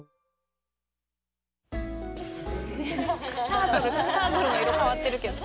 タートルの色変わってるけど。